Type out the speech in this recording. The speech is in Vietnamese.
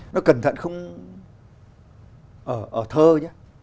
nó cẩn thận không ở thơ nhé